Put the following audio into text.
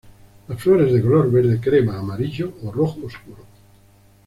Las flores de color verde-crema-amarillo o rojo oscuro.